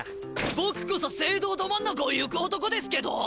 僕こそ正道ド真ン中を征く男ですけどォ！？